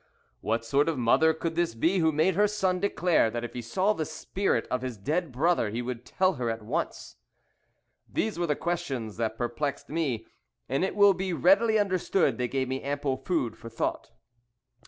What sort of mother could this be who made her son declare that if he saw the spirit of his dead brother he would tell her at once? These were the questions that perplexed me, and it will be readily understood they gave me ample food for thought.